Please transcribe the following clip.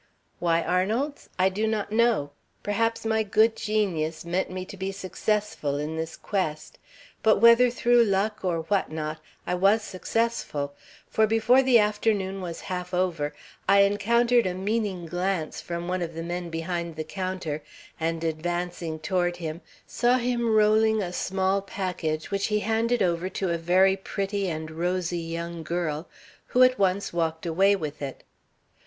Why Arnold's? I do not know. Perhaps my good genius meant me to be successful in this quest; but whether through luck or what not, I was successful, for before the afternoon was half over, I encountered a meaning glance from one of the men behind the counter, and advancing toward him, saw him rolling a small package which he handed over to a very pretty and rosy young girl, who at once walked away with it.